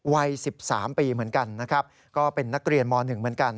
วัย๑๓ปีเหมือนกันนะครับก็เป็นนักเรียนม๑เหมือนกัน